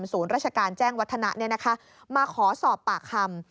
ราชการแจ้งวัฒนะมาขอสอบปากคำ